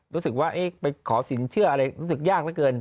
รู้สึกว่าไปขอสินเชื่ออะไรรู้สึกยากเหลือเกิน